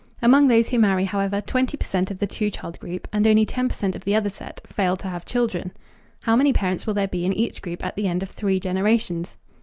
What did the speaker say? Among those who marry, however, 20 percent of the two child group, and only 10 percent of the other set, fail to have children. How many parents will there be in each group at the end of three generations?